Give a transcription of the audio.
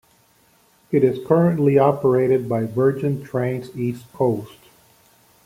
It is currently operated by Virgin Trains East Coast.